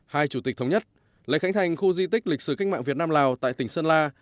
hai chủ tịch thống nhất lễ khánh thành khu di tích lịch sử cách mạng việt nam lào tại tỉnh sơn la